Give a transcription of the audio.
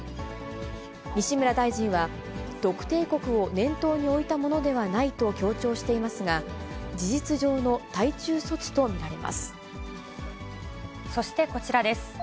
西村大臣は、特定国を念頭に置いたものではないと強調していますが、そしてこちらです。